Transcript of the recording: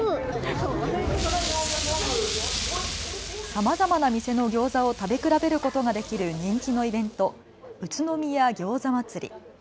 さまざまな店のギョーザを食べ比べることができる人気のイベント、宇都宮餃子祭り。